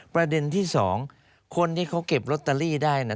ประเด็นที่๒คนที่เขาเก็บลอตเตอรี่ได้นะ